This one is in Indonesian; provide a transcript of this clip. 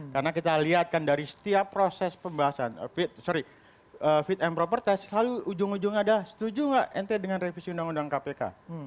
karena kita lihat kan dari setiap proses pembahasan fit and proper test selalu ujung ujung ada setuju enggak dengan revisi undang undang kpk